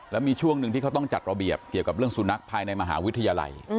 และมีช่วงหนึ่งที่เขาต้องจัดระเบียบเรื่องศูนักภายในมหาวิทยาลัย